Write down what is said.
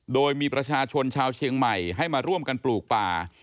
โดยมีประชาชนชาวเชียงใหม่ให้มาร่วมกันปลูกป่า